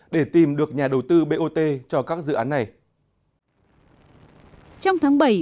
để tìm được nhà đầu tư bot cho các dự án này